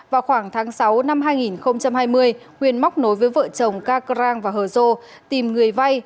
vào khoảng tháng sáu năm hai nghìn hai mươi huyền móc nối với vợ chồng ca cơ giang và hờ dô tìm người vay